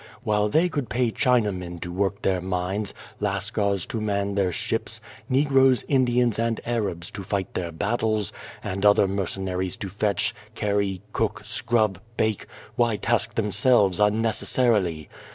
While they could pay Chinamen to work their mines, Lascars to man their ships, Negroes, Indians, and Arabs to fight their battles, and other mercenaries to fetch, carry, cook, scrub, bake, why task themselves un necessarily?